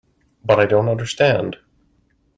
But I don't understand.